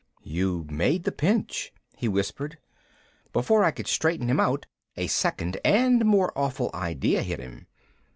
"You made the pinch," he whispered. Before I could straighten him out a second and more awful idea hit him.